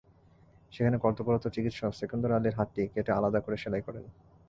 সেখানে কর্তব্যরত চিকিত্সক সেকেন্দর আলীর হাতটি কেটে আলাদা করে সেলাই করেন।